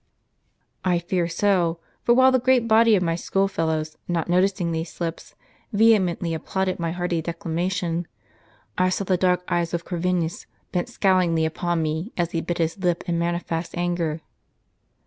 "" I fear so; for while the great body of my school fellows, not noticing these slips, vehemently applauded my hearty declamation, I saw the dark eyes of Corviniis bent scowlingly upon me, as he bit his lip in manifest anger."